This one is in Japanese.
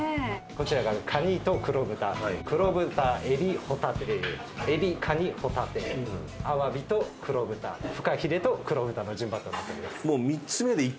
こちらがカニと黒豚黒豚エビホタテエビカニホタテアワビと黒豚フカヒレと黒豚の順番となっております。